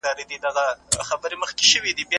ښه یاد د زده کړې مرسته کوي.